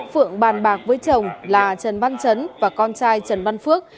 phượng bàn bạc với chồng là trần văn chấn và con trai trần văn phước